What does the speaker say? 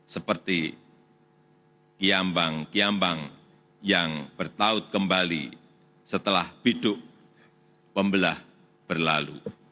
seperti kiambang kiambang yang bertaut kembali setelah biduk pembelah berlalu